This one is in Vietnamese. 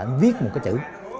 anh viết một cái chữ